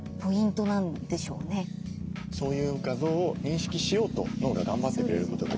そういう画像を認識しようと脳が頑張ってくれることが重要。